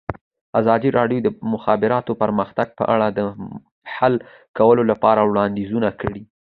ازادي راډیو د د مخابراتو پرمختګ په اړه د حل کولو لپاره وړاندیزونه کړي.